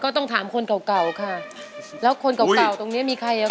ก็ต้องถามคนเก่าค่ะแล้วคนเก่ามีใครละครับ